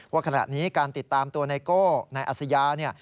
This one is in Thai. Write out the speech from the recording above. ว่าขณะนี้การติดตามตัวนายโก้ในอาเซีย